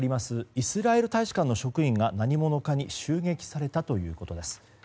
イスラエル大使館の職員が何者かに襲撃されたということです。